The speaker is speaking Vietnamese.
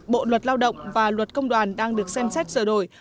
bộ luật lao động và luật công đoàn đang được xem xét sửa đổi